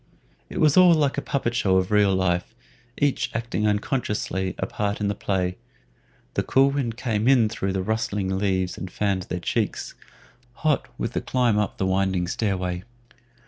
It was all like a puppetshow of real life, each acting unconsciously a part in the play. The cool wind came in through the rustling leaves and fanned their cheeks, hot with the climb up the winding stair way.